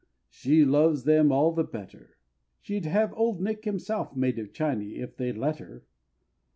she loves them all the better, She'd have Old Nick himself made of Chiney if they'd let her.